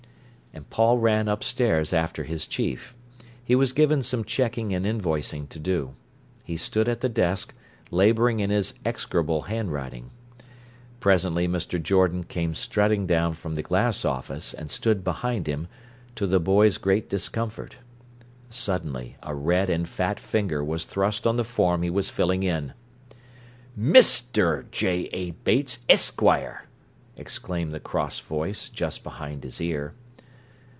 And Paul ran upstairs after his chief. He was given some checking and invoicing to do. He stood at the desk, labouring in his execrable handwriting. Presently Mr. Jordan came strutting down from the glass office and stood behind him, to the boy's great discomfort. Suddenly a red and fat finger was thrust on the form he was filling in. "Mr. J. A. Bates, Esquire!" exclaimed the cross voice just behind his ear.